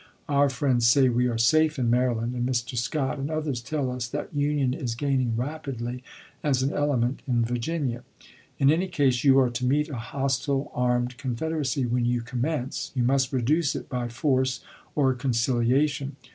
Our friends say we are safe in Maryland, and Mr. Scott and others tell us that union is gaining rapidly as an element in Virginia. In any case you are to meet a hostile armed confeder acy when you commence — you must reduce it by force or conciliation.